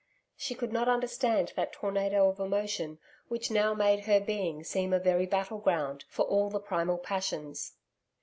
She could not understand that tornado of emotion which now made her being seem a very battle ground, for all the primal passions.